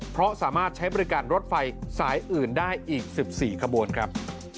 เพราะสามารถใช้บริการรถไฟสายอื่นได้อีก๑๔ขบวนครับ